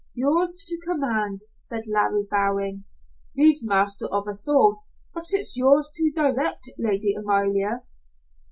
"Yours to command," said Larry, bowing. "He's master of us all, but it's yours to direct, Lady Amalia."